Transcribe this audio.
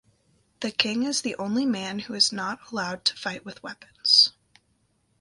The king is the only man who is not allowed to fight with weapons.